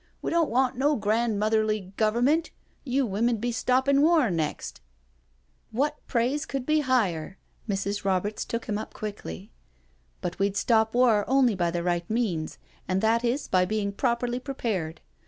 " We don't want no grandmotherly Government — you womenM be stoppin' war next "'* What praise could be higher?" Mrs. Roberts took him up quickly. " But we'd stop war only by the right means, and that is by being properly prepared.